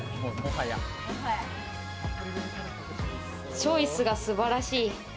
チョイスが素晴らしい。